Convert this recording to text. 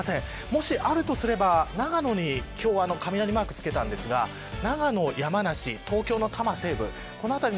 もし、あるとすれば長野に今日は雷マークをつけたんですが長野、山梨、東京の多摩西部この辺り。